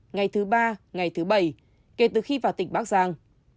ngày thứ ba ngày thứ bảy kể từ khi vào tỉnh bắc giang